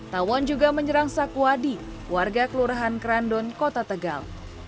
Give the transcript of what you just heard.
tawon juga menyerang sakwadi warga kelurahan krandon kota tegal